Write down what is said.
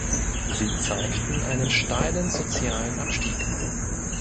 Sie zeigten einen steilen sozialen Abstieg.